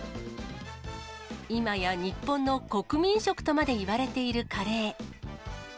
今や日本の国民食とまでいわれているカレー。